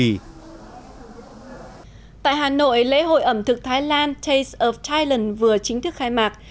tại hà nội lễ hội ẩm thực thái lan taste of thailand vừa chính thức khai mạc